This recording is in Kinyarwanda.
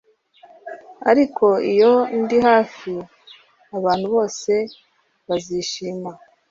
ariko iyo ndi hafi abantu bose bazishima